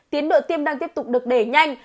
tiến độ tiêm đang tiếp tục được đẩy nhanh